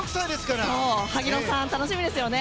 萩野さん、楽しみですね。